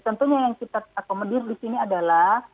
tentunya yang kita akomodir di sini adalah